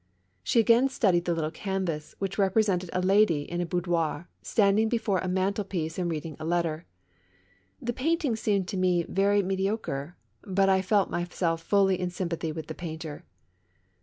She again studied the little canvas, which represented a lady in a boudoir, standing before a mantlepiece and reading a letter. The painting seemed to me very me diocre, but I felt myself fully in sympathy with the painter.